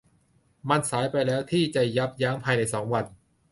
มันสายไปแล้วที่จะยับยั้งภายในสองวัน